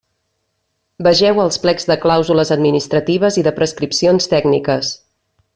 Vegeu els plecs de clàusules administratives i de prescripcions tècniques.